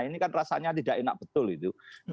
ini kan rasanya tidak enak betul itu